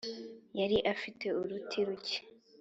yari afite uruti ruke.